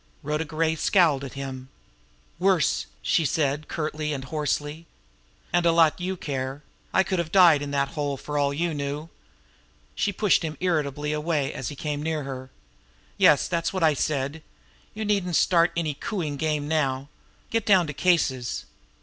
Rhoda Gray scowled at him. "Worse!" she said curtly and hoarsely. "And a lot you care! I could have died in that hole, for all you knew!" She pushed him irritably away, as he came near her. "Yes, that's what I said! And you needn't start any cooing game now! Get down to cases!"